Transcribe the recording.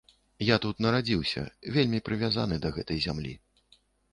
Я тут нарадзіўся, вельмі прывязаны да гэтай зямлі.